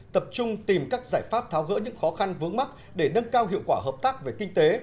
tập trung tìm các giải pháp tháo gỡ những khó khăn vướng mắt để nâng cao hiệu quả hợp tác về kinh tế